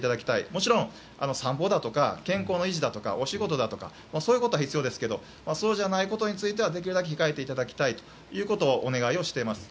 もちろん、散歩だとか健康の維持だとかお仕事だとかそういうことは必要ですけどそうじゃないことに関してはできるだけ控えていただきたいということをお願いをしています。